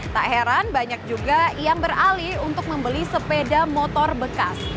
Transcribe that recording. tak heran banyak juga yang beralih untuk membeli sepeda motor bekas